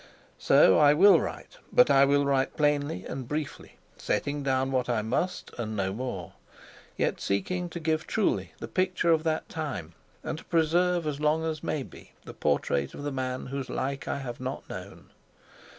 So I will write; but I will write plainly and briefly, setting down what I must, and no more, yet seeking to give truly the picture of that time, and to preserve as long as may be the portrait of the man whose like I have not known.